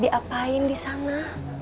diapain di sana